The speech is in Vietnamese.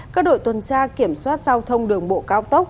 các đội tuần tra kiểm soát giao thông đường bộ cao tốc